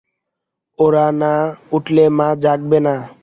এরা না উঠলে মা জাগবেন না।